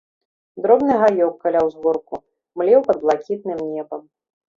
Дробны гаёк, каля ўзгорку, млеў пад блакітным небам.